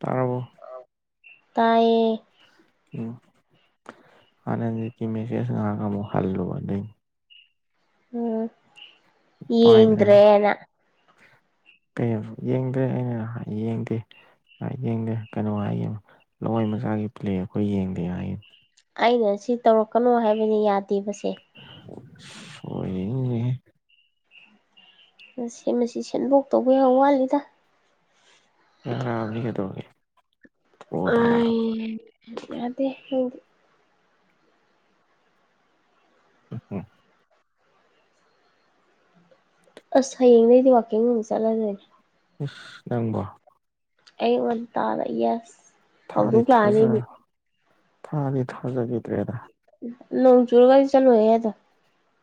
[inaudible] ꯇꯥꯔꯕꯣ꯫ ꯇꯥꯌꯦ꯫ ꯎꯝ ꯑꯅꯟꯖꯤꯠꯀꯤ ꯃꯦꯁꯦꯖ ꯉꯍꯥꯛ ꯑꯃꯨꯛ ꯍꯜꯂꯨꯕ ꯑꯗꯨꯏꯅꯦ꯫ ꯎꯝ꯫ ꯄꯥꯏꯕꯗꯪ ꯌꯦꯡꯗ꯭ꯔꯦꯅ ꯀꯩꯅꫭ ꯌꯦꯡꯗꯔꯦ ꯑꯩꯅ ꯌꯦꯡꯗꯦ꯫ ꯑꯥꯏ ꯌꯦꯡꯗꯦ ꯀꯩꯅꯣ ꯍꯥꯏꯌꯦ ꯂꯋꯥꯏ ꯃꯆꯥꯒꯤ ꯄ꯭ꯂꯦ ꯑꯩꯈꯣꯏ ꯌꯦꯡꯗꯦ ꯍꯥꯏꯌꯦ꯫ ꯑꯩ ꯉꯁꯤ ꯇꯧꯔꯛꯀꯅꯣ ꯍꯥꯏꯕꯅꯤ ꯌꯥꯗꯦꯕꯁꯦ꯫ [inaudible] ꯃꯁꯤ-ꯃꯁꯤ ꯁꯦꯝꯗꯣꯛꯇꯧꯕ ꯌꯥꯝ ꯋꯥꯠꯂꯤꯗ꯫ ꯌꯥꯔꯥꯑꯝꯅꯤ ꯀꯩꯗꯧꯔꯒꯦ ꯄ꯭ꯔꫭ ꯇꯥꯔꯝ ꯎꯝ꯫ [inaudible] [inaudible] ꯑꯁ ꯍꯌꯦꯡꯗꯩꯗꯤ ꯋꯥꯥꯛꯀꯤꯡ ꯑꯃꯨꯛ ꯆꯠꯂꯗꯨꯏꯅꯤ꯫ ꯏꯁ ꯅꯪꯕꯣ꯫ ꯑꯌꯨꯛ ꯉꯟꯇꯥꯗ ꯌꯦꯁ꯫ ꯊꯥꯗꯤ ꯍꯧꯗꯣꯛ ꯂꯥꯛꯑꯅꯤ ꯊꯥꯖ ꯃꯤ ꯊꯥꯗꯤ ꯊꯥꯖꯒꯤꯗ꯭ꯔꯦꯗ꯫ ꯅꯣꯡ ꯆꯨꯔꯒꯒꯥꯗꯤ ꯆꯠꯂꯣꯏꯌꯦ ꯑꯗꯣ꯫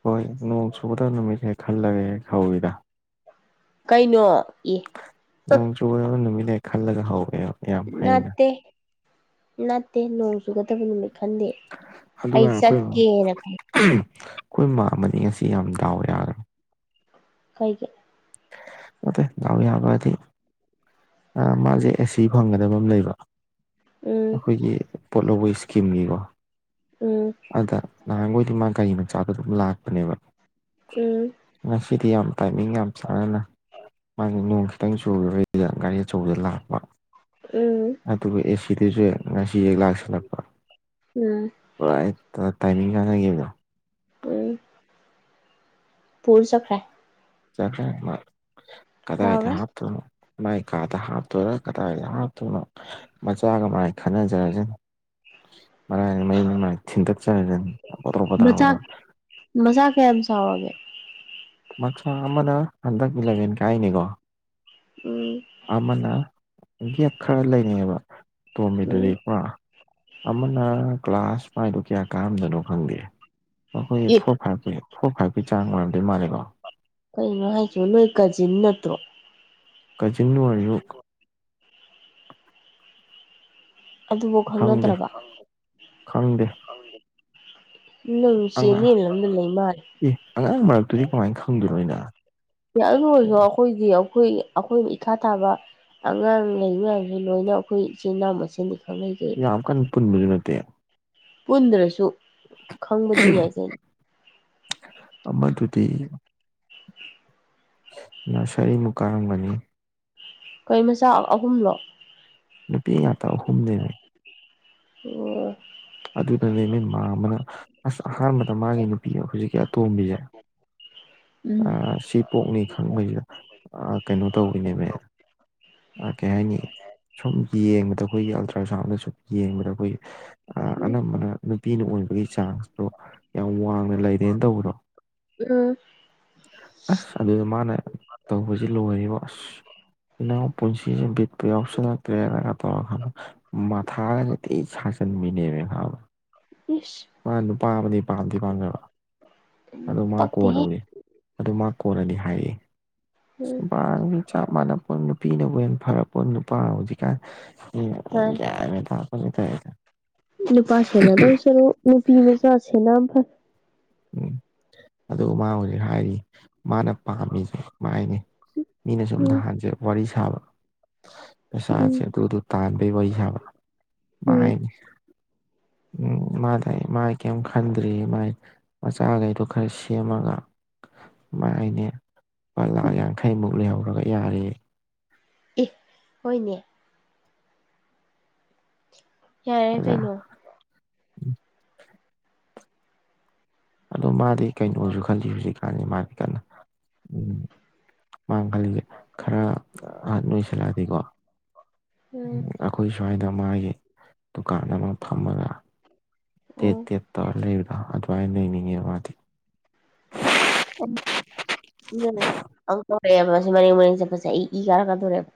ꯍꯣꯏ ꯅꯣꯡ ꯆꯨꯒꯗꯕ ꯅꯨꯃꯤꯠ ꯍꯦꯛ ꯈꯜꯂꯒ ꯍꯦꯛ ꯍꯧꯏꯗ ꯀꯩꯅꯣ ꯑꯦ꯫ ꯅꯣꯡ ꯆꯨꯕ ꯅꯨꯃꯤꯠ ꯅꯨꯃꯤꯠꯅ ꯈꯜꯂꯒ ꯍꯧꯋꯦꯕ꯫ ꯌꯥꯝ ꯍꯩꯅ ꯅꯠꯇꯦ ꯅꯠꯇꯦ ꯅꯣꯡ ꯆꯨꯒꯗꯕ ꯅꯨꯃꯤꯠ ꯈꯟꯗꯦ꯫ ꯑꯗꯨ ꯑꯩ ꯍꯥꯏ ꯑꯈꯣꯏ ꯆꯠꯀꯦꯅ ꯈꯟ ꯑꯈꯣꯏ ꯃꯥ ꯑꯃꯅꯤ ꯉꯁꯤ ꯌꯥꯝ ꯗꯥꯎ ꯌꯥꯒ ꯀꯩꯒꯤ꯫ ꯅꯠꯇꯦ ꯗꯥꯎ ꯌꯥꯕ ꯍꯥꯏꯗꯤ ꯃꯥꯁꯦ ꯑꯦꯁꯤ ꯐꯪꯒꯗꯕ ꯑꯃ ꯂꯩꯕ꯫ ꯎꯝ ꯑꯈꯣꯏꯒꯤ ꯄꯣꯠꯂꯣꯕꯩ ꯁ꯭ꯀꯤꯝꯒꯤꯀꯣ꯫ ꯎꯝ꯫ ꯑꯗ ꯅꯍꯥꯟꯈꯣꯏꯗꯤ ꯃꯥ ꯒꯥꯔꯤ ꯃꯆꯥꯗꯣ ꯑꯗꯨꯝ ꯂꯥꯛꯄꯅꯦꯕ꯫ ꯎꯝ꯫ ꯉꯁꯤꯗꯤ ꯌꯥꯝ ꯇꯥꯏꯃꯤꯡ ꯌꯥꯝ ꯆꯥꯅꯅ ꯃꯥꯏꯗꯣ ꯅꯣꯡ ꯈꯤꯇꯪ ꯆꯨꯨꯕꯩꯗꯨꯗ ꯒꯥꯔꯤ ꯑꯆꯧꯕꯗ ꯂꯥꯛꯄ꯫ ꯎꯝ꯫ ꯑꯗꯨꯒ ꯑꯦꯁꯤꯗꯁꯨ ꯉꯁꯤꯁꯦ ꯂꯥꯛꯁꯤꯜꯂꯛꯄ꯫ ꯎꯝ ꯄꯨꯔꯥ ꯍꯦꯛꯇ ꯇꯥꯏꯃꯤꯡ ꯆꯥꯟꯅꯈꯤꯕꯗꯣ꯫ ꯎꯝ ꯄꯨꯔ ꯆꯠꯈ꯭ꯔꯦ꯫ ꯆꯠꯈꯔꯦ ꯃꯥ ꯀꯗꯥꯏꯗ ꯌꯥꯎꯔꯣꯏ ꯍꯥꯞꯇꫭꯏꯅꯣ꯫ ꯃꯥꯏ ꯀꯥꯗ ꯍꯥꯞꯇꯣꯏꯔ ꯀꯗꯥꯏꯗ ꯍꯥꯞꯇꯣꯏꯅꯣ ꯃꯆꯥꯒ ꯃꯥꯏ ꯈꯟꯅꯖꯔꯖꯅꯤ꯫ ꯃꯆꯥ [inaudible] ꯃꯆꯥ ꯀꯌꯥꯝ ꯆꯥꯎꯔꯒꯦ꯫ ꯃꯆꯥ ꯑꯃꯅ ꯍꯟꯗꯛ ꯏꯂꯚꯦꯟ ꯀꯥꯏꯅꯤꯀꯣ꯫ ꯎꯝ꯫ ꯑꯃꯅ ꯒꯦꯞ ꯈꯔ ꯂꯩꯔꯤꯅꯦꯕ ꯑꯇꯣꯝꯕꯤꯗꯨꯗꯤ꯫ ꯎꯝ [inaudible] ꯑꯃꯅ ꯀ꯭ꯂꯥꯁ ꯃꯥꯏꯗꯣ ꯀꯌꯥ ꯀꯥꯔꯝꯗꯣꯏꯅꯣ ꯈꯪꯗꯦ꯫ ꯑꯈꯣꯏꯒꯤ ꯑꯦ ꯐꯣꯔ ꯐꯥꯏꯚꯀꯤ ꯐꯣꯔ ꯐꯥꯏꯚꯀꯤ ꯆꯥꯡ ꯑꯣꯏꯔꯝꯗꯤꯣꯏ ꯃꯥꯜꯜꯂꯤꯀꯣ꯫ ꯀꯩꯅꯣ ꯍꯥꯏꯁꯤꯕꯣ ꯅꯣꯏ ꯀꯖꯤꯞ ꯅꯠꯇ꯭ꯔꯣ꯫ ꯀꯆꯤꯟ [unintelligible] ꯑꯗꯨꯐꯧ ꯈꯪꯗꯦ ꯈꯪꯅꯗ꯭ꯔꯕ ꯈꯪꯗꯦ ꯅꯪ ꯑꯉꯥꯡ ꯆꯦꯅꯦꯜ ꯑꯃꯗ ꯂꯩ ꯃꯥꯜꯂꯦ ꯑꯦ ꯑꯉꯥꯡ ꯃꯔꯛꯇꯨꯗꯤ ꯀꯃꯥꯏꯅ ꯈꯪꯗꯣꯏꯅꯣ ꯑꯩꯅꯥ ꯑꯗꯨ ꯑꯣꯏꯔꯁꯨ ꯑꯩꯈꯣꯏꯗꯤ ꯑꯩꯈꯣꯏ ꯑꯩꯈꯣꯏꯅ ꯏꯈꯥ ꯊꯥꯕ ꯑꯉꯥꯡ ꯂꯩ ꯃꯌꯥꯝꯁꯦ ꯂꯣꯏꯅ ꯑꯩꯈꯣꯏ ꯏꯆꯤꯜ ꯏꯅꯥꯎ ꯃꯁꯦꯟꯗꯤ ꯈꯪꯅꯩ ꯀꯩ ꯌꯥꯝꯀꯥꯟ ꯄꯨꯟꯕꯁꯨ ꯅꯠꯇꯦ ꯄꯨꯟꯗ꯭ꯔꯁꯨ ꯈꯪꯕꯗꯤ ꯌꯥꯏ ꯀꯩꯂꯣ ꯑꯃꯥꯗꯨꯗꯤ ꯅꯔꯁꯔꯤꯃꯨꯛ ꯀꯥꯔꯝꯒꯅꯤ ꯀꯩ ꯃꯆꯥ ꯑꯍꯨꯝꯂꯣ ꯅꯨꯄꯤ ꯉꯥꯛꯇ ꯑꯍꯨꯝꯅꯦꯃꯤ [unintelligible] ꯑꯗꯨꯗꯅꯦꯃꯤ ꯃꯥꯃꯅ ꯑꯁ ꯑꯍꯥꯟꯕꯗ ꯃꯥꯒꯤ ꯅꯨꯄꯤ ꯍꯧꯖꯤꯛꯀꯤ ꯑꯇꯣꯝꯕꯤꯁꯦ ꯑ ꯎꯝ ꯁꯤ ꯄꯣꯛꯅꯤ ꯈꯪꯕꯒꯤ ꯑ ꯀꯩꯅꯣ ꯇꯧꯔꯤꯅꯦꯃꯦ ꯀꯩ ꯍꯥꯏꯅꯤ ꯁꯨꯝ ꯌꯦꯡꯕꯗ ꯑꯩꯈꯣꯏꯒꯤ ꯑꯜꯇ꯭ꯔ ꯁꯥꯎꯟꯗ ꯁꯨꯝ ꯌꯦꯡꯕꯗ ꯑꯩꯈꯣꯏꯒꯤ ꯑꯅꯝꯕꯅ ꯅꯨꯄꯤꯅ ꯑꯣꯏꯕꯒꯤ ꯆꯥꯡꯁꯇꯣ ꯌꯥꯝ ꯋꯥꯡꯅ ꯂꯩꯔꯦꯅ ꯇꯧꯕꯗꯣ ꯎꯝ ꯑꯁ ꯑꯗꯨꯗ ꯃꯥꯅ ꯇꯧꯕꯖꯤ ꯂꯣꯏꯔꯦꯕꯣ ꯑꯁ ꯏꯅꯥꯎ ꯄꯨꯟꯁꯤꯁꯦ ꯕꯤꯠꯀꯥ ꯌꯥꯎꯁꯜꯂꯛꯇ꯭ꯔꯦꯅꯒ ꯇꯧꯔꯒ ꯃꯊꯥꯒꯖꯤ ꯊꯤ ꯁꯥꯖꯟꯕꯤꯅꯤ ꯅꯦꯃꯤ ꯈꯕ ꯏꯁ ꯃꯥꯅ ꯅꯨꯄꯥ ꯑꯃꯗꯤ ꯄꯥꯝꯗꯤ ꯄꯥꯝ ꯑꯗꯨ ꯃꯥ ꯄꯛꯇꯦꯍꯦ ꯀꯣꯟꯅꯕꯨꯗꯤ ꯑꯗꯨ ꯃꯥ ꯀꯣꯟꯅꯗꯤ ꯍꯥꯏꯔꯛ ꯏ ꯑꯁ ꯎꯝ ꯅꯨꯄꯥ ꯑ ꯆꯞ ꯃꯥꯟꯅ ꯄꯣꯠꯅꯤ ꯅꯨꯄꯤꯅꯕꯨ ꯍꯦꯟꯅ ꯐꯔꯄꯣꯠꯅꯝ ꯅꯨꯄꯥ ꯍꯧꯖꯤꯛꯀꯥꯟ ꯍ [unintelligible] ꯅꯨꯄꯥ ꯁꯦꯟꯅꯗꯣꯏ ꯁꯔꯨꯛ ꯅꯨꯄꯤ ꯃꯆꯥ ꯁꯦꯟꯅ ꯐꯩ ꯎꯝ ꯑꯗꯣ ꯃꯥꯕꯨꯗꯤ ꯍꯥꯥꯏꯔꯤ ꯃꯥꯅ ꯄꯥꯝꯃꯤꯁꯦ ꯃꯥꯅ ꯍꯥꯏꯅꯦ ꯃꯤꯅ ꯁꯨꯝ ꯐꯩ ꯎꯝ ꯅꯍꯥꯟꯁꯦ ꯋꯥꯔꯤ ꯁꯥꯕ ꯎꯝ ꯃꯁꯥꯁꯦ ꯑꯗꯨ ꯗꯨ ꯇꯥꯟꯕꯩ ꯋꯥꯔꯤ ꯁꯥꯕ ꯃꯥꯥ ꯎꯝ ꯍꯥꯏꯅꯤ ꯎꯝ ꯃꯥꯗꯤ ꯃꯥꯥꯏ ꯀꯩꯝ ꯈꯟꯗ꯭ꯔꯦꯌꯦ ꯃꯥꯏ ꯃꯆꯥꯒꯩꯗꯣ ꯈꯔ ꯁꯦꯝꯃꯒ ꯃꯥ ꯍꯥꯏꯅꯦ ꯂꯨꯄꯥ ꯂꯥꯛ ꯌꯥꯡꯈꯩꯃꯨꯛ ꯂꯩꯍꯧꯔꯒ ꯌꯥꯔꯦ ꯑꯦ ꯍꯣꯏꯅꯦ ꯌꯥꯏꯌꯦ ꯑꯣꯖꯥ ꯀꯩꯅꯣ [inaudible] [inaudible] ꯑꯗꯣ ꯃꯥꯗꯤ ꯀꯩꯅꯣꯁꯨ ꯈꯟꯂꯤ ꯍꯧꯖꯤꯛꯀꯥꯟ ꯃꯥꯗꯤ ꯀꯟꯅ ꯎꯝ ꯃꯥꯅ ꯈꯜꯂꯤꯖꯦ ꯈꯔ ꯑꯍꯟ ꯅꯣꯏꯁꯤꯜꯂꯛꯑꯗꯤꯀꯣ ꯎꯝ ꯑꯩꯈꯣꯏ ꯁ꯭ꯋꯥꯏꯗ ꯃꯥꯒꯤ ꯗꯨꯀꯥꯟ ꯑꯃ ꯐꯝꯃꯒ ꯇꯦꯠ ꯎꯝ ꯇꯦꯠ ꯇꯧꯔ ꯂꯩꯕꯗꯣ ꯑꯗꯨꯃꯥꯏꯅ ꯂꯩꯅꯤꯡꯉꯦ ꯃꯥꯗꯤ [unintelligible] ꯀꯧꯔꯛꯑꯦꯕ ꯑꯁꯤ ꯃꯔꯦꯡ ꯃꯔꯦꯡ ꯆꯠꯄꯁꯦ ꯑꯩ ꯏ ꯀꯥꯔꯛꯀꯥꯗꯧꯔꯦꯕ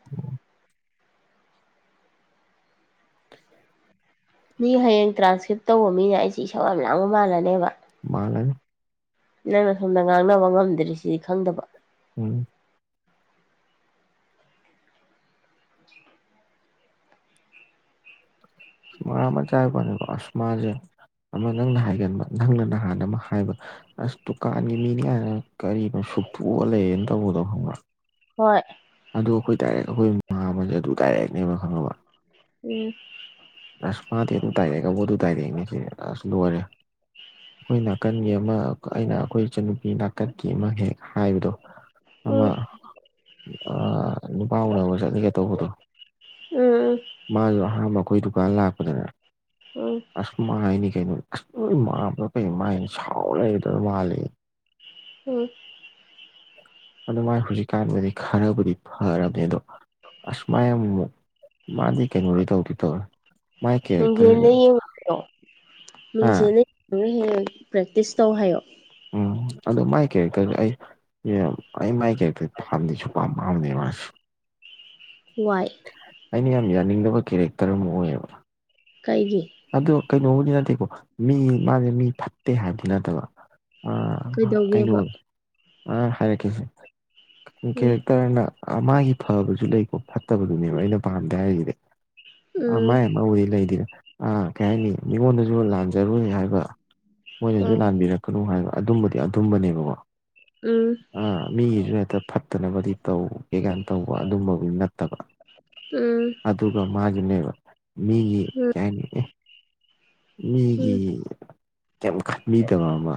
ꯃꯤ ꯍꯌꯦꯡ ꯇ꯭ꯔꯥꯟꯁꯀ꯭ꯔꯤꯞ ꯇꯧꯕ ꯃꯤꯅ ꯑꯩꯁꯦ ꯏꯁꯧ ꯌꯥꯝ ꯃꯥꯡꯕ ꯃꯥꯟꯂꯅꯦꯕ ꯃꯥꯟꯂꯅꯤ ꯅꯪꯅ ꯁꯣꯝꯗ ꯉꯥꯡꯅꯕ ꯉꯝꯗꯔꯤ ꯁꯤꯗꯤ ꯈꯪꯗꯕ ꯎꯝ [unintelligible] ꯑꯁ ꯃꯥꯁꯖꯦ ꯑꯃꯥ ꯅꯪꯅ ꯍꯥꯏꯒꯟꯕ ꯅꯪꯅ ꯅꯍꯥꯟ ꯑꯃꯥ ꯍꯥꯏꯕ ꯑꯁ ꯗꯨꯀꯥꯟꯒꯤ ꯃꯤꯅꯤ ꯀꯥꯏꯅ ꯀꯔꯤꯕꯨ ꯁꯨꯛꯇꯣꯛꯑ ꯂꯩꯌꯦ ꯇꯧꯕꯗꯣ ꯈꯪꯕ꯭ꯔ ꯍꯣꯏ ꯑꯗꯨ ꯑꯩꯈꯣꯏ ꯗꯥꯏꯔꯦꯛ ꯑꯩꯈꯣꯏ ꯃꯥꯝꯃꯗꯣ ꯑꯗꯨ ꯗꯥꯏꯔꯦꯛꯅꯦꯕ ꯈꯪꯉꯕ ꯎꯝ ꯑꯁ ꯃꯥꯗꯤ ꯑꯗꯨꯝ ꯇꯥꯏꯔꯛꯦꯒꯕꯣ ꯑꯗꯨ ꯇꯥꯏꯔꯛꯑꯦꯅꯦ ꯁꯤ ꯑꯁ ꯂꯣꯏꯔꯦ ꯑꯩꯈꯣꯏ ꯅꯥꯀꯟꯒꯤ ꯑꯃ ꯑꯩꯅ ꯑꯩꯈꯣꯏ ꯏꯆꯟꯅꯨꯄꯤ ꯅꯥꯀꯟꯀꯤ ꯑꯃꯥ ꯍꯦꯛ ꯍꯥꯏꯕꯗꯣ ꯑꯃ ꯅꯨꯄꯥ ꯎꯟꯕꯥ ꯆꯠꯂꯤꯒ ꯇꯧꯕꯗꯣ ꯎꯝ ꯎ ꯃꯥꯖꯨ ꯑꯍꯥꯟꯕ ꯑꯩꯈꯣꯏ ꯗꯨꯀꯥꯟ ꯂꯥꯛꯄꯗꯅꯦ ꯎ ꯑꯁ ꯃꯥꯏꯅꯤ ꯀꯩꯅꯣ ꯑꯁ ꯅꯣꯏ ꯃꯥꯕꯗꯣ ꯀꯩꯅꯣ ꯃꯥꯏꯅꯤ ꯁꯥꯎ ꯂꯩꯗꯧ ꯃꯥꯂ ꯎꯝ ꯑꯗꯨꯃꯥꯏꯅ ꯍꯧꯖꯤꯛꯀꯥꯟꯗꯗꯤ ꯈꯔꯕꯨꯗꯤ ꯐꯔꯕꯅꯦ ꯑꯗꯣ ꯑꯁꯃꯥꯏ ꯃꯥꯗꯤ ꯀꯩꯅꯣ ꯂꯩ ꯇꯧꯔꯤ ꯃꯤꯡꯖꯦꯟ ꯗ ꯌꯦꯡꯗ꯭ꯔꯣ ꯑ ꯃꯤꯡꯖꯦꯟ ꯅꯪꯅ ꯍꯦꯟꯅ ꯄ꯭ꯔꯦꯛꯇꯤꯁ ꯇꯧ ꯍꯥꯏꯌꯣ ꯎꯝ ꯑꯗꯣ ꯃꯥꯏ ꯀꯦꯔꯦꯛꯇꯔ ꯑꯩ ꯑꯩ ꯃꯥꯏ ꯀꯦꯔꯦꯛꯇꯔ ꯄꯥꯝꯗꯁꯨ ꯄꯄꯥꯝ ꯄꯝꯅꯤꯕꯁ ꯋꯥꯏ ꯑꯩꯅ ꯌꯥꯝ ꯌꯥꯅꯤꯡꯗꯕ ꯀꯦꯔꯦꯛꯇꯔ ꯑꯃ ꯑꯣꯏꯌꯦꯕ ꯀꯥꯏꯒꯤ ꯑꯗꯣ ꯀꯩꯅꯣꯕꯨꯗꯤ ꯅꯠꯇꯦꯀꯣ ꯃꯤ ꯃꯥꯁꯦ ꯃꯤ ꯐꯠꯇꯦ ꯍꯥꯏꯕꯗꯤ ꯅꯠꯇꯕ ꯀꯩꯅꯣ ꯀꯩꯗꯧꯒꯦꯕ ꯑ ꯍꯥꯏꯔꯛꯀꯁꯦ ꯎꯝ ꯀꯦꯔꯦꯛꯇꯔꯅ ꯑ ꯃꯥꯒꯤ ꯐꯕꯁꯨ ꯂꯩꯀꯣ ꯐꯠꯇꯕꯗꯨꯅꯦꯕ ꯑꯩꯅ ꯄꯥꯝꯗꯦ ꯍꯥꯏꯔꯤꯁꯤꯗꯤ ꯎꯝ ꯃꯥꯏ ꯑꯃꯕꯨꯗꯤ ꯂꯩꯗꯤꯗ ꯑ ꯀꯩ ꯍꯥꯏꯅꯤ ꯃꯤꯉꯣꯟꯗꯁꯨ ꯂꯥꯟꯖꯔꯨꯣꯏ ꯍꯥꯏꯕ ꯃꯣꯏꯅꯁꯨ ꯎꯝ ꯂꯥꯟꯕꯤꯔꯛꯀꯅꯨ ꯍꯥꯏꯕ ꯑꯗꯨꯝꯕꯗꯤ ꯑꯗꯨꯝꯕꯅꯦꯕꯀꯣ ꯎꯝ ꯑꯥ ꯃꯤꯒꯤꯁꯨ ꯍꯦꯛꯇ ꯐꯠꯇꯅꯕꯗꯤ ꯇꯧ ꯀꯦ ꯀꯥꯏꯅ ꯇꯧꯕ ꯑꯗꯨꯝꯕꯕꯨ ꯅꯠꯇꯕ ꯎꯝ ꯑꯗꯨꯒ ꯃꯥꯒꯤꯅꯦꯕ ꯃꯤꯒꯤ ꯎꯝ ꯀꯩ ꯍꯥꯏꯅꯤ ꯃꯤꯒꯤ ꯎꯝ ꯀꯩ ꯈꯟꯕꯤꯗꯕ ꯑꯃ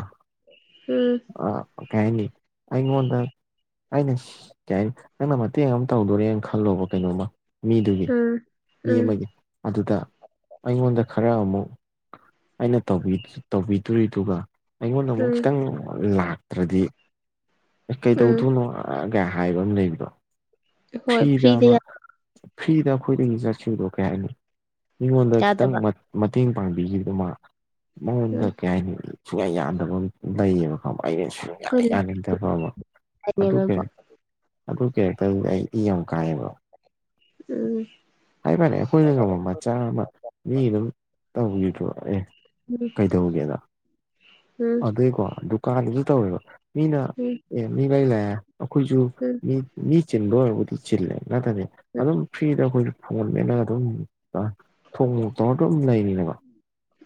ꯎꯝ ꯑ ꯑꯣ ꯀꯩ ꯍꯥꯏꯅꯤ ꯑꯩꯉꯣꯟꯗ ꯑꯩꯅ ꯀꯩ ꯍꯥꯏꯅꯤ ꯅꯪꯅ ꯃꯇꯦꯡ ꯑꯃ ꯇꯧꯗꯣꯔꯦꯅ ꯈꯜꯂꯣꯕ ꯀꯩꯅꯣꯝꯃ ꯃꯤꯗꯨꯒꯤ ꯎꯝ ꯎꯝ ꯃꯤ ꯑꯃꯒꯤ ꯑꯗꯨꯗ ꯑꯩꯉꯣꯟꯗ ꯈꯔ ꯑꯃꯨꯛ ꯑꯩꯅ ꯇꯧꯕꯤꯗꯣꯔꯤꯗꯨꯒ ꯑꯩꯉꯣꯟꯗ ꯎꯝ ꯑꯃꯨꯛ ꯎꯝ ꯈꯤꯇꯪ ꯂꯥꯛꯇ꯭ꯔꯗꯤ ꯑꯦ ꯎꯝ ꯀꯩꯗꯧꯗꯣꯏꯅꯣ ꯀ ꯍꯥꯏꯕ ꯑꯃ ꯂꯩꯕꯣ ꯐ꯭ꯔꯤꯗ ꯑꯃ ꯐ꯭ꯔꯤꯗ ꯑꯩꯈꯣꯏꯗꯒꯤ ꯆꯠꯁꯤꯡꯗꯣ ꯀꯩ ꯍꯥꯏꯅꯤ ꯃꯤꯉꯣꯟꯗ ꯈꯤꯇꯪ ꯌꯥꯗꯕ ꯃꯇꯦꯡ ꯄꯥꯡꯕꯤꯈꯤꯕꯗꯨꯃ ꯃꯉꯣꯟꯗ ꯎꯝ ꯀꯩ ꯍꯥꯏꯅꯤ ꯁꯨꯡꯌꯥ ꯌꯥꯟꯗꯕ ꯂꯩꯌꯦꯕ ꯑꯩꯁꯨ ꯑꯩꯈꯣꯏ ꯌꯥꯅꯤꯡꯗꯕ ꯑꯃ ꯑꯗꯨ ꯂꯥꯏꯅꯦꯕꯀꯣ ꯀꯩꯅꯣ ꯑꯗꯨ ꯀꯦꯔꯦꯛꯇꯔꯗꯨ ꯑꯩ ꯏ ꯌꯥꯝ ꯀꯥꯏꯑꯕ ꯎꯝ ꯍꯥꯏꯇꯥꯔꯦ ꯑꯩꯈꯣꯏꯅ ꯉꯝꯕ ꯃꯆꯥ ꯑꯃ ꯃꯤ ꯑꯗꯨꯝ ꯇꯧꯕꯤꯗ꯭ꯔꯣ ꯑꯦ ꯎꯝ ꯀꯩꯗꯧꯒꯦꯗ ꯑꯗꯨꯏꯀꯣ ꯗꯨꯀꯥꯟꯗꯨꯁꯨ ꯇꯧꯋꯦꯕ ꯃꯤꯅ ꯎꯝ ꯑꯦ ꯃꯤ ꯂꯥꯏ ꯂꯥꯛꯑꯦ ꯑꯩꯈꯣꯏꯁꯨ ꯎ ꯃꯤ ꯆꯤꯟꯕꯣꯕꯨꯗꯤ ꯆꯤꯂꯦ ꯅꯇꯅꯦ ꯑꯗꯨꯝ ꯐ꯭ꯔꯤꯗ ꯑꯩꯈꯣꯏ ꯐꯣꯟꯅꯦꯅꯒ ꯑꯗꯨꯝ ꯊꯣꯡ ꯂꯣꯛ ꯇꯧꯔ ꯑꯗꯨ ꯑꯗꯨꯝ ꯂꯩꯔꯤꯅꯦꯕ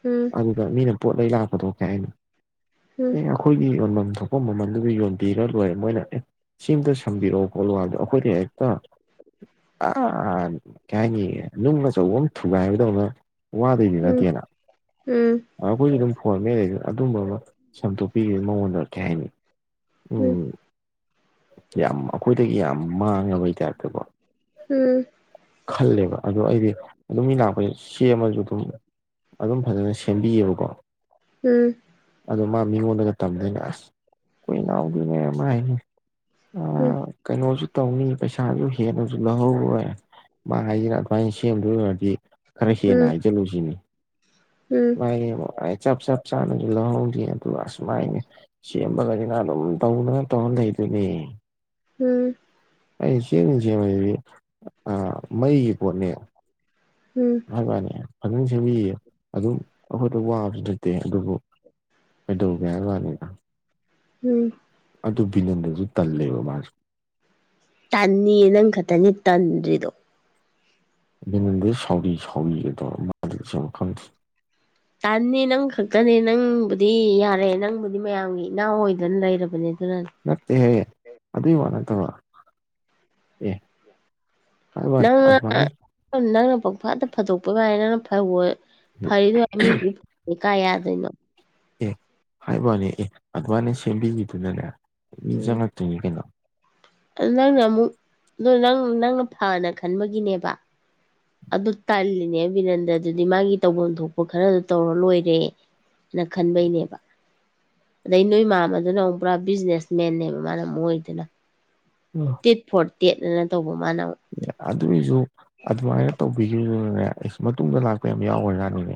ꯎꯝ ꯎꯝ ꯎꯝ ꯎꯝ ꯎꯝ ꯎꯝ ꯎꯝ ꯎꯝ ꯎꯝ ꯎꯝ ꯑꯗꯨꯗ ꯃꯤꯅ ꯄꯣꯠꯂꯩ ꯂꯥꯛꯄꯗ ꯊꯣꯛꯁꯦ ꯑꯩꯅ ꯑꯩꯈꯣꯏꯒꯤ ꯌꯣꯟꯐꯝ ꯊꯣꯛꯄ ꯃꯃꯜꯗꯨꯗꯤ ꯌꯣꯟꯕꯤꯔ ꯂꯣꯏꯔꯦ ꯃꯣꯏꯅ ꯑꯦ ꯁꯤ ꯑꯇ ꯁꯝꯕꯤꯔꯛꯑꯣ ꯈꯣꯠꯂꯨꯗꯣ ꯑꯩꯈꯣꯏꯅ ꯍꯦꯛꯇ ꯑꯥ ꯀꯩ ꯍꯥꯏꯅꯤ ꯅꯨꯡ ꯑꯆꯧꯕ ꯑꯃ ꯊꯨꯒꯥꯏ ꯍꯥꯏꯕꯗꯧꯅ ꯋꯥꯗꯣꯢꯗꯤ ꯅꯠꯇꯦꯅ ꯑ ꯑꯩꯈꯣꯏ ꯑꯗꯨꯝ ꯐꯣꯟ ꯃꯦꯠ ꯂꯩꯗꯣꯢꯅꯤ ꯑꯗꯨꯝꯕ ꯑꯃ ꯆꯝꯗꯣꯛꯄꯤꯈꯤꯕ ꯃꯉꯣꯟꯗ ꯀꯩ ꯍꯥꯏꯅꯤ ꯎꯝ ꯌꯥꯝ ꯑꯩꯈꯣꯏꯗꯒꯤ ꯌꯥꯝ ꯃꯥꯡꯉꯕꯩ ꯇꯥꯏꯞꯇꯀꯣ ꯎꯝ ꯈꯜꯂꯦꯕ ꯑꯗꯣ ꯑꯩꯗꯤ ꯑꯗꯨꯝ ꯃꯤ ꯂꯥꯛꯄꯩ ꯁꯦꯝꯃꯁꯨ ꯑꯗꯨꯝ ꯑꯗꯨꯝ ꯐꯖꯅ ꯁꯦꯝꯕꯤꯌꯦꯕꯀꯣ ꯎꯝ ꯑꯗꯣ ꯃꯥ ꯃꯤꯉꯣꯟꯗꯒ ꯇꯝꯗꯣꯏꯅꯦ ꯑꯁ ꯑꯩꯈꯣꯏ ꯏꯅꯥꯎꯗꯤꯅꯦ ꯃꯥ ꯍꯥꯏꯅꯤ ꯎꯝ ꯀꯩꯅꯣꯁꯨ ꯇꯧꯅꯤ ꯄꯩꯁꯥꯁꯨ ꯍꯦꯟꯅꯁꯨ ꯂꯧꯍꯧꯔꯣꯢ ꯃꯥ ꯍꯥꯏꯁꯤꯅ ꯑꯗꯨꯃꯥꯏꯅ ꯁꯦꯝꯗꯣꯏ ꯑꯣꯏꯔꯗꯤ ꯈꯔ ꯍꯦꯟꯅ ꯍꯥꯏ ꯖꯤꯂꯨ ꯁꯤꯅꯤ ꯎꯝ [unintelligible] ꯆꯞ ꯆꯞ ꯆꯥꯅꯁꯨ ꯑꯗꯨꯒ ꯑꯁꯨꯃꯥꯏꯅ ꯁꯦꯝꯃꯒꯁꯤꯅ ꯑꯗꯨꯝ ꯇꯧꯗꯅ ꯇꯧꯔ ꯂꯩꯗꯨꯢꯅꯤꯌꯦ ꯍꯝ ꯑꯩ ꯁꯦꯡ ꯁꯤ ꯗꯤ ꯑ ꯃꯩ ꯄꯣꯠꯅꯦ ꯎꯝ ꯎꯝ ꯍꯥꯏꯕꯩ ꯋꯥꯅꯦ ꯐꯖꯅ ꯁꯦꯝꯕꯤꯌꯦ ꯑꯗꯨꯝ ꯑꯩꯈꯣꯏꯗ ꯋꯥꯕꯁꯨ ꯅꯇꯦ ꯑꯗꯨꯕꯨ ꯀꯩꯗꯧꯒꯦ ꯍꯥꯢꯕꯩ ꯋꯥꯅꯤꯗ ꯎꯝ ꯑꯗꯨ ꯕꯤꯅꯟꯗꯨꯁꯨ ꯇꯜꯂꯦꯕ ꯃꯥꯁꯨ ꯇꯟꯅꯤꯌꯦ ꯅꯪ ꯈꯛꯇꯅꯤ ꯇꯟꯗ꯭ꯔꯤꯗꯣ ꯑꯗꯨ ꯁꯥꯎꯔꯤ ꯁꯥꯎꯔꯤꯒꯩꯗꯧꯔ ꯃꯥ ꯈꯪꯗꯦ ꯇꯅꯤ ꯅꯪ ꯈꯛꯇꯅꯦ ꯅꯪꯕꯨꯗꯤ ꯌꯥꯔꯦ ꯅꯪꯕꯨꯗꯤ ꯃꯌꯥꯝꯒꯤ ꯏꯅꯥꯎ ꯑꯣꯏꯗꯅ ꯂꯩꯔꯕꯅꯦ ꯑꯗꯨꯅ ꯅꯠꯇꯦꯍꯦ ꯑꯗꯨꯏ ꯋꯥ ꯅꯠꯇꯕ ꯑꯦ ꯍꯥꯏꯕ ꯋꯥꯅꯤ ꯅꯪꯅ ꯑꯗꯨꯃꯥꯏꯅ ꯅꯪꯅ ꯄꯪ ꯐꯥꯗ ꯐꯥꯗꯣꯛꯄ ꯒꯥꯢꯅ ꯅꯪꯅ ꯐꯧ ꯐꯔꯤꯗꯨ ꯃꯥꯢꯅ ꯃꯤꯗꯤ ꯀꯥꯏ ꯌꯥꯗꯣꯏꯅꯣ ꯑꯦ ꯍꯥꯏꯕꯋꯥꯅꯦ ꯑꯦ ꯑꯗꯨꯃꯥꯏꯅ ꯁꯦꯝꯕꯤꯒꯤꯕꯗꯨꯅꯅꯦ ꯃꯤ ꯎꯝ ꯆꯪꯉꯛꯇꯣꯏꯅꯤ ꯀꯩꯅꯣ ꯅꯪꯅ ꯑꯃꯨꯛ ꯑ ꯅꯪ ꯅꯪꯅ ꯐꯅ ꯈꯟꯕꯒꯤꯅꯦꯕ ꯑꯗꯨ ꯇꯜꯂꯤꯅꯦ ꯕꯤꯅꯟꯗꯗꯨꯗꯤ ꯃꯥꯒꯤ ꯇꯧꯐꯝ ꯊꯣꯛꯄ ꯈꯔꯗ ꯇꯧꯔ ꯂꯣꯏꯔꯦ ꯅ ꯈꯟꯕꯩꯅꯦꯕ ꯑꯗꯩ ꯅꯣꯏ ꯃꯥꯝꯃꯗꯨꯅ ꯑꯃꯨꯛ ꯄꯨꯔꯥ ꯕꯤꯖꯤꯅꯦꯁ ꯃꯦꯟꯅꯦꯕ ꯃꯥꯅ ꯑꯃꯨꯛ ꯑꯣꯏꯔꯤꯗꯨꯅ ꯎꯝ ꯇꯤꯠ ꯐꯣꯔ ꯇꯦꯠ ꯑꯅ ꯇꯧꯕ ꯃꯥꯅ ꯑꯃꯨꯛ ꯑꯦ ꯑꯗꯨꯏꯁꯨ ꯑꯗꯨꯃꯥꯏꯅ ꯇꯧꯕꯤꯈꯤꯕꯗꯨꯅꯅꯦ ꯑꯩꯁ ꯃꯇꯨꯡꯗ ꯂꯥꯛꯄ ꯌꯥꯝ ꯌꯥꯎꯒ꯭ꯔ ꯖꯥꯅꯤꯅꯦ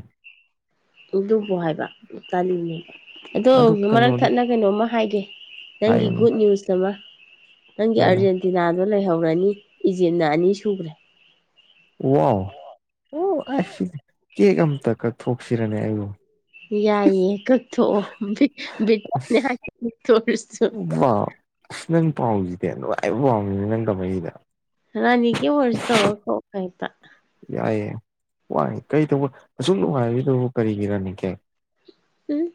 ꯑꯗꯨꯕꯨ ꯍꯥꯏꯕ ꯇꯂꯤ ꯅꯦꯕ ꯑꯗꯣ ꯑꯗꯨ ꯃꯔꯛ ꯀꯩꯅꯣꯗꯣ ꯊꯠꯅ ꯀꯩꯅꯣꯝꯃ ꯍꯥꯏꯒꯦ ꯅꯪꯒꯤ ꯍꯥꯏꯌꯨꯅꯦ ꯒꯨꯗ ꯅ꯭ꯌꯨꯁ ꯑꯃ ꯅꯪꯒꯤ ꯀꯩꯅꯣ ꯑꯥꯔꯖꯦꯟꯇꯤꯅꯥꯗꯣ ꯂꯩꯍꯧꯔꯅꯤ ꯏꯖꯤꯞꯅ ꯑꯅꯤ ꯁꯨꯒ꯭ꯔꯦ ꯋꯥ ꯑꯣ ꯑꯁ ꯀꯦꯛ ꯑꯝꯇ ꯀꯛꯊꯣꯛꯁꯤꯔꯅꯦ ꯑꯩꯕꯨ ꯌꯥꯏꯑ ꯀꯛꯊꯣꯛꯑꯣ ꯕꯤ ꯕꯤꯇꯅꯤꯌꯥ ꯀꯛꯊꯣꯛ ꯎꯔꯁꯨ ꯋꯥ ꯑꯁ ꯅꯪ ꯄꯥꯎꯁꯤꯗꯤ ꯅꯨꯡꯉꯥꯏꯕ ꯄꯥꯎꯅꯤꯅꯦ ꯅꯪ ꯇꯃꯩꯁꯤꯗꯤ ꯔꯥꯅꯤ ꯀꯦꯛ ꯑꯣꯔꯁꯨ ꯇꯧꯔꯒ ꯀꯛꯎ ꯍꯦꯛꯇ ꯌꯥꯏꯑꯦ ꯋꯥꯏ ꯀꯩ ꯇꯧꯕ ꯑꯁꯨꯛ ꯅꯨꯡꯉꯥꯏꯔꯁꯤꯗꯕꯨ ꯀꯔꯤꯒꯤ ꯔꯅꯤ ꯀꯦꯛ ꯎꯝ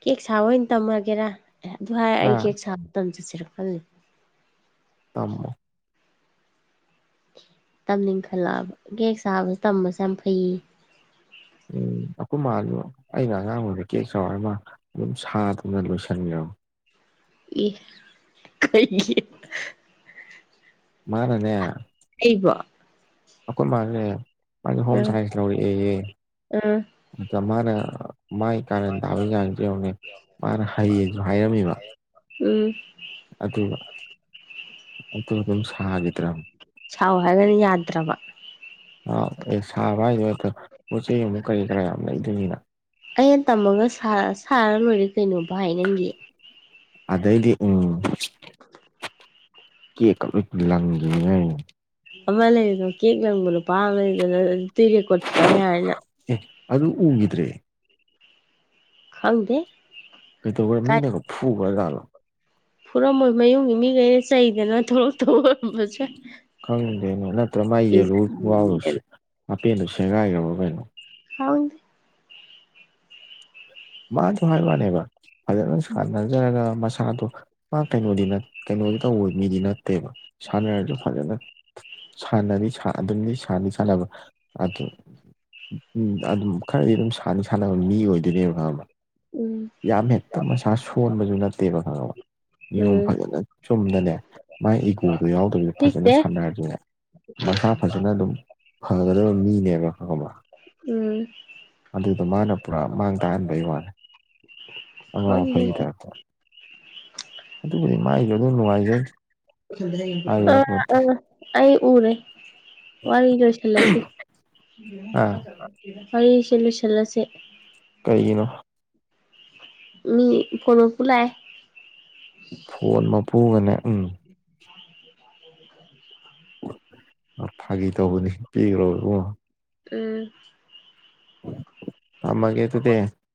ꯀꯦꯛ ꯁꯥꯕ ꯑꯣꯏꯅ ꯇꯝꯃꯒꯦꯔꯥ ꯑꯦ ꯑꯗꯨ ꯍꯥꯏꯔ ꯍꯥ ꯑꯩ ꯀꯦꯛ ꯁꯥꯕ ꯇꯝ ꯆꯠꯁꯤꯔ ꯈꯂꯤꯅꯤ ꯇꯃꯣ ꯇꯝꯅꯤꯡꯈꯠꯂꯛꯑꯕ ꯀꯦꯛ ꯁꯥꯕꯁꯤ ꯇꯝꯕꯁꯤ ꯌꯥꯝ ꯐꯩꯌꯦꯌꯦ ꯎꯝ ꯑꯩꯀꯣꯏ ꯃꯥꯗꯣ ꯑꯩꯅ ꯑꯉꯥꯡ ꯑꯣꯏꯉꯩꯗ ꯀꯦꯛ ꯁꯥꯎ ꯍꯥꯢꯔ ꯑꯗꯨꯝ ꯁꯥꯗꯅ ꯂꯣꯏꯁꯤꯟꯈ꯭ꯔꯕꯅꯤ ꯏ ꯀꯩꯩꯒꯤ ꯃꯥꯅꯅꯦ ꯑꯩꯕꯨ ꯑꯩꯈꯣꯏ ꯃꯥꯅꯦ ꯃꯥꯗꯤ ꯍꯣꯝ ꯑꯥ ꯁꯥꯏꯟꯁ ꯂꯧꯔꯛꯑꯦꯌꯦ ꯑꯗꯨꯗ ꯃꯥꯅ ꯃꯥꯥꯏ ꯀꯔꯥꯟ ꯇꯥꯕꯩ ꯆꯥꯡꯁꯦ ꯌꯦꯉꯣꯅꯦ ꯃꯥꯅ ꯍꯩꯌꯦꯁꯨ ꯍꯥꯏꯔꯝꯃꯤꯕ ꯎꯝ ꯑꯗꯨꯒ ꯑꯗꯨ ꯑꯗꯨꯝ ꯁꯥꯒꯤꯗ꯭ꯔꯥ ꯁꯥꯎ ꯍꯥꯏꯔꯒꯅ ꯌꯥꯗ꯭ꯔꯕ ꯑꯥꯎ ꯑꯦ ꯁꯥꯕ ꯍꯥꯏꯁꯦ ꯑꯗ ꯄꯣꯠ ꯆꯩꯩ ꯑꯃꯛ ꯀꯔꯤ ꯀꯔꯥ ꯌꯥꯝ ꯂꯩꯗꯣꯏꯅꯤꯅ ꯑꯩꯅ ꯇꯝꯃꯒ ꯁꯥꯔ ꯁꯥꯔꯂꯣꯏꯔꯦ ꯀꯩꯅꯣ ꯚꯥꯏ ꯅꯪꯒꯤ ꯑꯗꯩꯗꯤ ꯎ ꯀꯦꯛ ꯀ ꯂꯣꯏ ꯂꯪꯒꯥꯅꯦ ꯍꯥꯏꯔꯤꯌꯦ ꯑꯃ ꯂꯩꯕꯗꯣ ꯀꯦꯑ ꯂꯪꯕ ꯅꯨꯄꯥ ꯑꯃ ꯂꯩꯕꯗꯣ ꯑꯗꯩꯒꯥ ꯂꯦꯀꯣꯛ ꯊꯨꯒꯥꯏꯕ ꯌꯥꯔꯅꯤ ꯅꯪ ꯑꯦ ꯑꯗꯨ ꯎꯒꯤꯗ꯭ꯔꯦ ꯈꯪꯗꯦ ꯀꯩꯗꯧꯕ꯭ꯔꯥ ꯀꯥꯏ ꯃꯤꯅꯒ ꯐꯨꯈ꯭ꯔꯥ ꯖꯥꯠꯂꯣ ꯐꯨꯔꯝꯃꯣꯏ ꯃꯌꯨꯝꯒꯤ ꯃꯤꯒꯩꯅ ꯆꯩꯗꯅ ꯊꯣꯛꯂꯛꯇꯕ ꯑꯣꯏꯔꯝꯕꯁꯨ ꯌꯥꯏ ꯈꯪꯗꯦꯅ ꯅꯠꯇ꯭ꯔ ꯃꯥꯒꯤ ꯌꯦꯜꯂꯨꯒꯤ ꯈꯣꯡꯒꯥꯎꯗꯣ ꯁꯦ ꯑꯄꯦꯟꯗꯤ ꯁꯦꯒꯥꯏꯈ꯭ꯔꯕ ꯀꯩꯅꯣ [unintelligible] ꯃꯥꯁꯨ ꯍꯥꯏ ꯋꯥꯅꯦꯕ ꯐꯖꯅ ꯁꯥꯟꯅ [unintelligible] ꯃꯁꯥꯗꯣ ꯃꯥ ꯀꯩꯅꯣꯗꯤ ꯅꯠ ꯀꯩꯅꯣꯗꯤ ꯇꯧꯕ ꯃꯤꯗꯤ ꯅꯠꯇꯦꯕ ꯁꯥꯟꯅꯔꯁꯨ ꯐꯖꯅ ꯁꯥꯟꯅꯗꯤ ꯁꯥꯟ ꯑꯗꯨꯝꯗꯤ ꯁꯥꯟꯗꯤ ꯁꯥꯟꯅꯕ ꯑꯗꯨ ꯎꯝ ꯑꯗꯨꯝ ꯈꯔꯗꯤ ꯑꯗꯨꯝ ꯁꯥꯟꯗꯤ ꯁꯥꯟꯅꯕ ꯃꯤ ꯑꯣꯏꯗꯣꯏꯅꯦꯕ ꯈꯕ꯭ꯔꯥ ꯎꯝ ꯌꯥꯝ ꯍꯦꯛꯇ ꯃꯁꯥ ꯁꯣꯟꯕꯁꯨ ꯅꯠꯇꯦꯕ ꯈꯪꯉꯕꯥ ꯅꯤꯌꯣꯝ ꯎꯝ ꯐꯖꯅ ꯆꯨꯝꯗꯅꯦ ꯃꯥꯏ ꯏꯒꯣꯗꯣ ꯌꯥꯎꯗꯕꯤꯗ ꯐꯖꯅ ꯂꯤꯛꯇꯦ ꯁꯥꯟꯅꯔꯗꯤꯅꯦ ꯃꯁꯥ ꯐꯖꯅ ꯑꯗꯨꯝ ꯐꯒꯗꯕ ꯃꯤꯅꯦꯕ ꯈꯪꯉꯕ꯭ꯔꯥ ꯎꯝ ꯑꯗꯨꯗ ꯃꯥꯅ ꯄꯨꯔꯥ ꯃꯥꯡ ꯇꯥꯍꯟꯕꯩ ꯋꯥꯅꯦ ꯑꯉꯧ ꯑꯐꯩꯒꯤ ꯈꯪꯗꯦꯗ ꯇꯥꯏꯄꯇꯥ ꯑꯗꯨꯕꯨꯗꯤ ꯃꯥꯏꯁꯨ ꯑꯗꯨꯝ ꯅꯨꯡꯉꯥꯏꯖꯩ ꯍꯥꯏꯕ ꯑ ꯌꯥꯄꯣꯟꯇꯦ ꯑ ꯑꯩ ꯎꯔꯦ ꯋꯥꯔ ꯂꯣꯏꯁꯟꯂꯁꯤ ꯑꯥ ꯋꯔꯤꯁꯦ ꯂꯣꯏꯁꯤꯜꯂꯥꯁꯦ ꯀꯩꯒꯤꯅꯣ ꯃꯤ ꯐꯣꯟ ꯃꯥꯄꯨ ꯂꯛꯑꯦ ꯐꯣꯟ ꯃꯄꯨꯒꯅꯦ ꯎꯝ [unintelligible] ꯐꯥꯒꯤ ꯇꯧꯕꯅꯦ ꯄꯤꯈ꯭ꯔꯣ ꯑꯣ ꯎꯝ ꯊꯝꯃꯒꯦ ꯑꯗꯨꯗꯤ